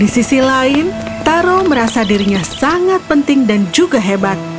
selain itu taro merasa dirinya sangat penting dan juga hebat